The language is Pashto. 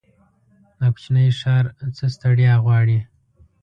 دا کوچينی ښار څه ستړيا غواړي.